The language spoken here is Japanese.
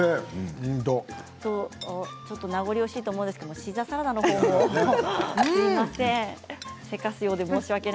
ちょっと名残惜しいと思うんですがシーザーサラダのほうも。